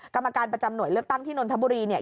กรรมการประจำหน่วยเลือกตั้งที่นนทบุรีเนี่ย